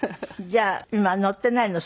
じゃあ今乗ってないの？